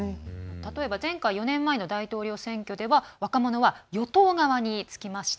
例えば前回４年前の大統領選挙では若者は与党側につきました。